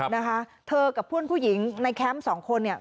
นะคะเธอกับปว่นผู้หญิงในแคมป์๒คนนี่